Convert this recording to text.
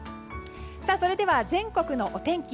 それでは、全国のお天気